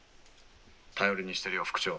「頼りにしてるよ副長」。